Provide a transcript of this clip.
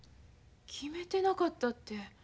決めてなかったって。